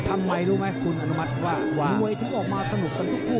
ทำไมรู้ไหมคุณอนุมัติว่ามวยถึงออกมาสนุกกันทุกคู่